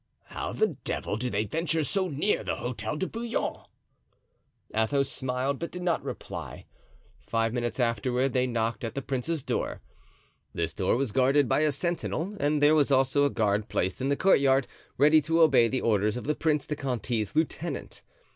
"How the devil do they venture so near the Hotel de Bouillon?" Athos smiled, but did not reply. Five minutes afterward they knocked at the prince's door. This door was guarded by a sentinel and there was also a guard placed in the courtyard, ready to obey the orders of the Prince de Conti's lieutenant.